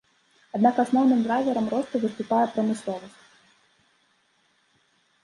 Аднак асноўным драйверам росту выступае прамысловасць.